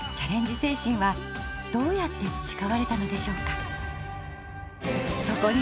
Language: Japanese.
精神はどうやってつちかわれたのでしょうか？